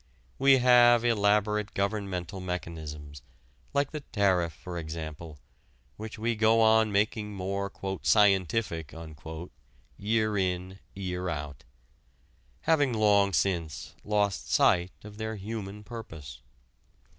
We have elaborate governmental mechanisms like the tariff, for example, which we go on making more "scientific" year in, year out having long since lost sight of their human purpose.